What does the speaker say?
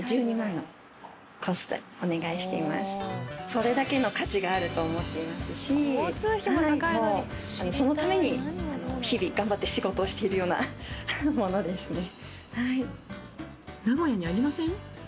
それだけの価値があると思っていますしもうそのために日々頑張って仕事をしているようなものですね。